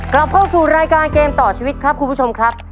กลับเข้าสู่รายการเกมต่อชีวิตครับคุณผู้ชมครับ